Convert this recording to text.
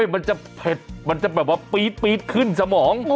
มันจะเผ็ดมันจะแบบว่าปี๊ดขึ้นสมอง